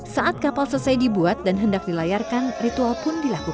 saat kapal selesai dibuat dan hendak dilayarkan ritual pun dilakukan